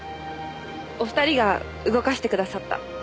お二人が動かしてくださった。